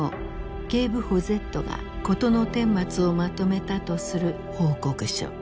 警部補Ｚが事のてんまつをまとめたとする報告書。